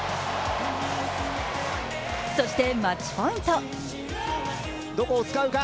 そしてマッチポイント。